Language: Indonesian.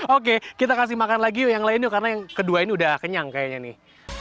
oke kita kasih makan lagi yuk yang lain yuk karena yang kedua ini udah kenyang kayaknya nih